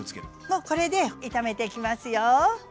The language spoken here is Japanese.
もうこれで炒めていきますよ。